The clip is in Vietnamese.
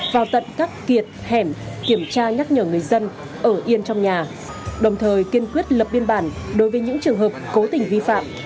vào tận các kiệt hẻm kiểm tra nhắc nhở người dân ở yên trong nhà đồng thời kiên quyết lập biên bản đối với những trường hợp cố tình vi phạm